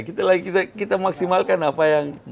kita maksimalkan apa yang